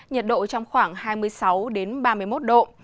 nhiệt độ trong khoảng hai mươi sáu ba mươi một độ